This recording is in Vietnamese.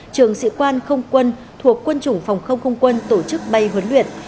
trường sĩ quan không quân thuộc quân chủng phòng không không quân tổ chức bay huấn luyện